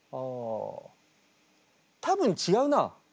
多分違うな。